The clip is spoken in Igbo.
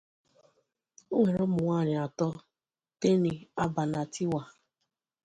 O nwere ụmụ nwanyị atọ, Teni, Aba na Tiwa.